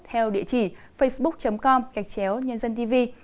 theo địa chỉ facebook com nhânzantv